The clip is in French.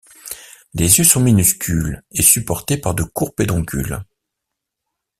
Les yeux sont minuscules et supportés par de courts pédoncules.